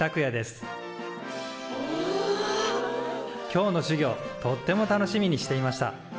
今日の授業とっても楽しみにしていました。